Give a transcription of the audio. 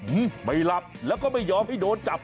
ไม่หลับแล้วก็ไม่ยอมให้โดนจับ